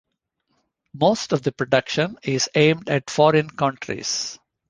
Most of the production is aimed at foreign countries.